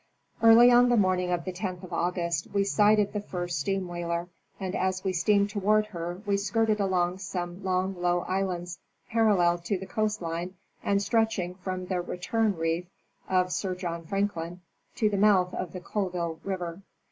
Early on the morning of the 10th of August we sighted the first steam whaler, and as we steamed toward her we skirted along some long low islands parallel to the coast line and stretching from the Return reef of Sir John Franklin to the mouth of the Colville river.